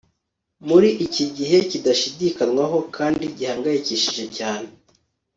muri iki gihe kidashidikanywaho kandi gihangayikishije cyane